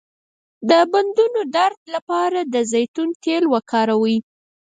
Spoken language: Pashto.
د بندونو درد لپاره د زیتون تېل وکاروئ